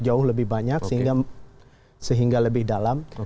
jauh lebih banyak sehingga lebih dalam